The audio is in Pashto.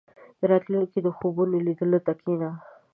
• د راتلونکي د خوبونو لیدلو ته کښېنه.